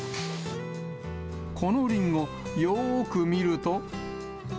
このりんご、よーく見ると。